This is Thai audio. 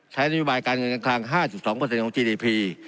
ใช้โนโลกุลบาลการเงินการคลัง๕๒ค่อยจีดีพี